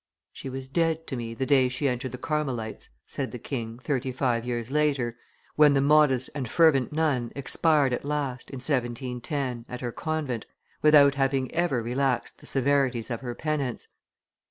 "She was dead to me the day she entered the Carmelites," said the king, thirty five years later, when the modest and fervent nun expired at last, in 1710, at her convent, without having ever relaxed the severities of her penance.